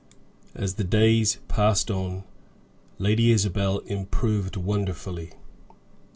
As the days passed on, Lady Isabel improved wonderfully.